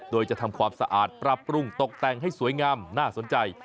โดยจะทำความสะอาดปรับปรุงตกแต่งให้สวยงามน่าสนใจ